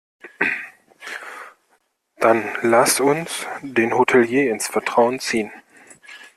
Dann lass uns den Hotelier ins Vertrauen ziehen.